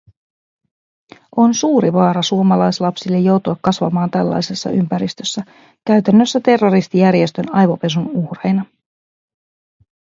On suuri vaara suomalaislapsille joutua kasvamaan tällaisessa ympäristössä – käytännössä terroristijärjestön aivopesun uhreina.